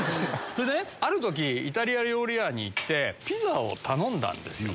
ある時イタリア料理屋に行ってピザを頼んだんですよ。